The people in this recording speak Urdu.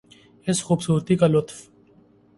اس خوبصورتی کا لطف